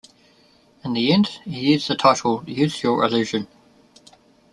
In the end, he used the title "Use Your Allusion".